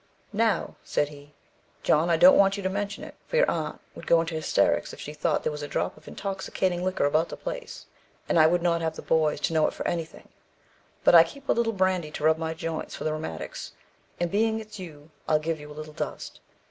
'Now,' said he, 'John, I don't want you to mention it, for your aunt would go into hysterics if she thought there was a drop of intoxicating liquor about the place, and I would not have the boys to know it for anything, but I keep a little brandy to rub my joints for the rheumatics, and being it's you, I'll give you a little dust.'